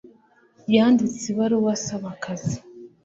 yanditse ibaruwa asaba akazi